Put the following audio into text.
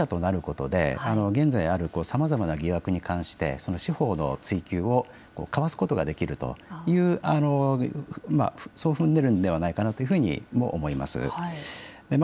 候補者となることで現在あるさまざまな疑惑に関して司法の追及をかわすことができるという、そう踏んでいるんではないかなというふうにも思います。